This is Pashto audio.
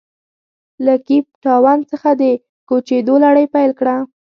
له کیپ ټاون څخه د کوچېدو لړۍ پیل کړه.